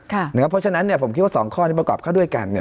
เพราะฉะนั้นผมคิดว่า๒ข้อที่ประกอบเข้าด้วยกัน